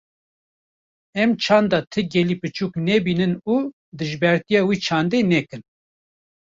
Em çanda ti gelî piçûk nebînin û dijbertiya wê çandê nekin.